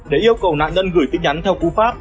để yêu cầu nạn nhân gửi tin nhắn theo cú pháp